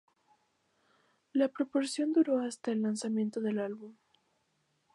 La promoción duró hasta el lanzamiento del álbum.